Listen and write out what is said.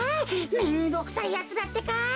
めんどくさいやつだってか。